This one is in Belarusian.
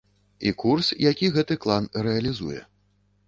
І курс, які гэты клан рэалізуе.